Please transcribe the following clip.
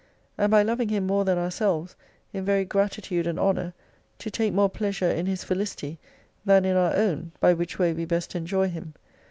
And by loving Him more than ourselves, in very gratitude and honour, to take more pleasure in His felicity, than in our own, by which way we best enjoy Him.